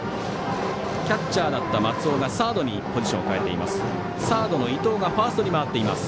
キャッチャーだった松尾がサードにポジションを変えています。